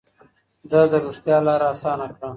ده د رښتيا لاره اسانه کړه.